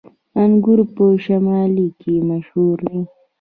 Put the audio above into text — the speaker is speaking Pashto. انګور په شمالی کې مشهور دي